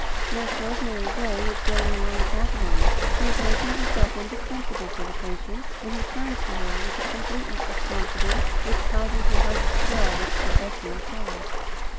Nurse Rosemary Gray is getting on capitally. She is making herself indispensable to the patient, and he turns to her with a completeness of confidence which causes her heart to swell with professional pride.